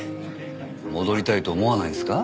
戻りたいと思わないんですか？